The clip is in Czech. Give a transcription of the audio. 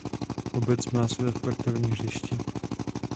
Obec má své sportovní hřiště.